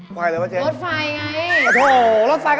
ไขวเลยหรือเปล่าเจ๊โอ้โธรถไขวก็บอกรถไฟสิเจ๊